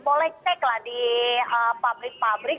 boleh cek lah di pabrik pabrik